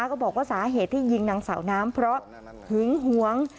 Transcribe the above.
ก็บอกว่าสาเหตุที่ยิงนางสาวน้ำเพราะหึงหวง